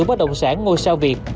bất động sản ngôi sao việt